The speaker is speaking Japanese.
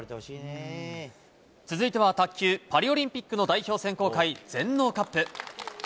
続いては卓球、パリオリンピックの代表選考会、全農カップ。